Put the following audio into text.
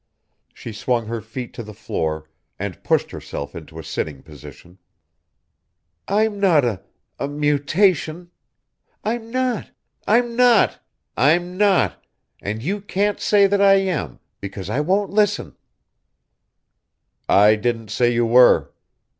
She swung her feet to the floor and pushed herself into a sitting position. "I'm not a ... a mutation. I'm not, I'm not, I'm NOT, and you can't say I am, because I won't listen!" "I didn't say you were."